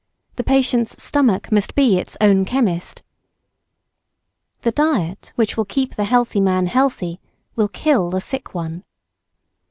The patient's stomach must be its own chemist. The diet which will keep the healthy man healthy, will kill the sick one.